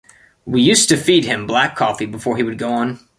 We used to feed him black coffee before he would go on.